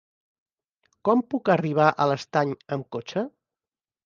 Com puc arribar a l'Estany amb cotxe?